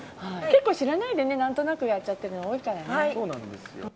結構、知らないで何となくやっちゃってるの多いからね。